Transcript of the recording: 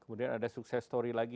kemudian ada sukses story lagi